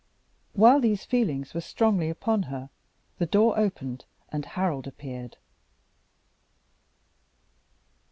While these feelings were strongly upon her, the door opened and Harold appeared.